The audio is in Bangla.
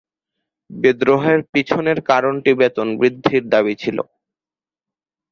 বিদ্রোহের পেছনের কারণটি বেতন বৃদ্ধির দাবি ছিল।